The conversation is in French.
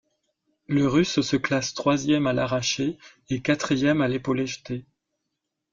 Le Russe se classe troisième à l'arraché et quatrième à l'épaulé-jeté.